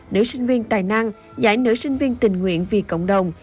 nữ sinh viên tài năng giải nữ sinh viên tình nguyện vì cộng đồng